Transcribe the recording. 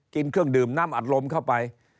เครื่องดื่มน้ำอัดลมเข้าไป